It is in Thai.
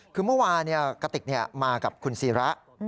คือเมื่อวานกติกมากับคุณศิระ